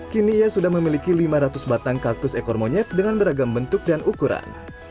kini ia sudah memiliki lima ratus batang kaktus ekor monyet dengan beragam bentuk dan ukuran